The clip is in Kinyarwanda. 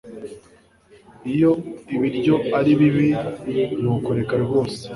Iyo ibiryo ari bibi ni ukureka rwose